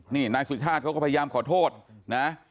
นี่นายสุชาติเขาก็พยายามขอโทษนะ